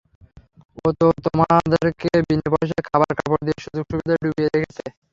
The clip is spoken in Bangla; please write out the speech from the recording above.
ও তো তোদেরকে বিনে পয়সায় খাবার, কাপড় দিয়ে সুযোগ সুবিধায় ডুবিয়ে রেখেছে।